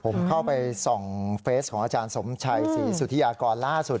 ผมเข้าไปส่องเฟสของอาจารย์สมชัยศรีสุธิยากรล่าสุด